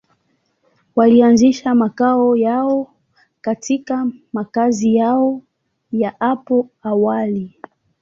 Walianzisha makao yao katika makazi yao ya hapo awali.